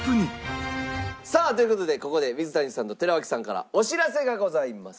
さあという事でここで水谷さんと寺脇さんからお知らせがございます。